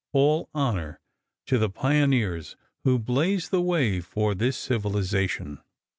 All honor to the pioneers who blazed the way for this civilization.